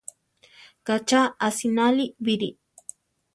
Ka cha asináli bíri!